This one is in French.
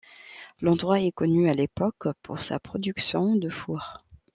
L'endroit est connu à l'époque pour sa production de fours.